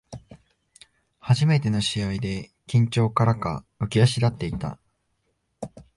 初めての試合で緊張からか浮き足立っていた